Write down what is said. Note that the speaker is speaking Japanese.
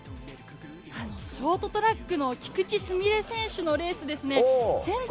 ショートトラックの菊池純礼選手のレースですね。